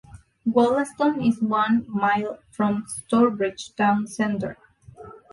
Wollaston is one mile from Stourbridge town centre.